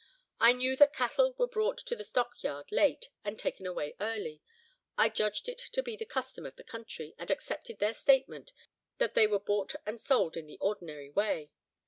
I knew that cattle were brought to the stockyard late, and taken away early. I judged it to be the custom of the country, and accepted their statement that they were bought and sold in the ordinary way.